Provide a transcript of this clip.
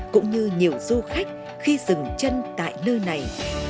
cũng như nhiều du khách khi dừng chân tại nơi này